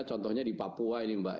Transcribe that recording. contohnya di papua ini mbak